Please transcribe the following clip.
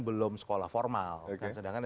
belum sekolah formal sedangkan